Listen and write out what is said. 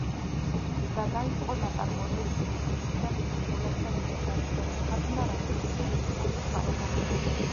და დაიწყო ნაწარმოებების ინგლისურიდან ფრანგულად და ნიდერლანდურად თარგმნა რაც მისი შემოსავლის წყარო გახდა.